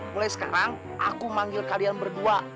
mulai sekarang aku manggil kalian berdua